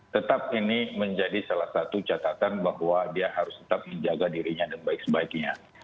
tetap ini menjadi salah satu catatan bahwa dia harus tetap menjaga dirinya dan baik sebaiknya